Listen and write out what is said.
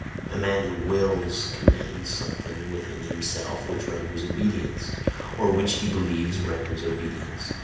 A man who WILLS commands something within himself which renders obedience, or which he believes renders obedience.